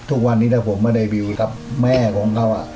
ทุกวันนี้ถ้าผมไม่ได้วิวกับแม่ของเขา